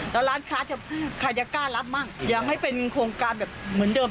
แล้วร้านคายก็กล้ารักบังอย่าให้เป็นธรงการแบบเหมือนเดิม